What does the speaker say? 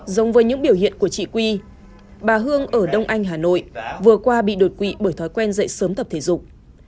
giống với những biểu hiện của chị quy bà hương ở đông anh hà nội vừa qua bị đột quỵ bởi thói quen dậy sớm tập thể dục